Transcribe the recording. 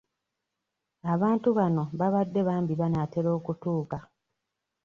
Abantu bano babadde bambi banaatera okutuuka.